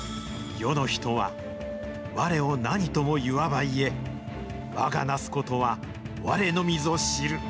世の人はわれを何とも言わば言え、わがなすことはわれのみぞ知る。